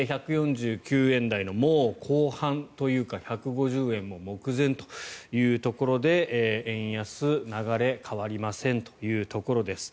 もう１４９円台の後半というかもう１５０円も目前というところで円安、流れ変わりませんというところです。